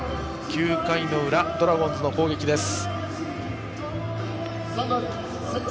９回の裏、ドラゴンズの攻撃です。